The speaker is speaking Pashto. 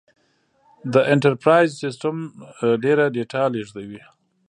دا انټرپرایز سیسټم ډېره ډیټا لېږدوي.